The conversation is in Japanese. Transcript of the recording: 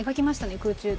空中で。